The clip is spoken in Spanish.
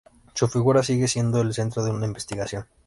Su figura sigue siendo el centro de una investigación.